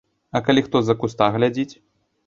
А калі хто з-за куста глядзіць?